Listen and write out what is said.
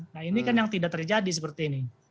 nah ini kan yang tidak terjadi seperti ini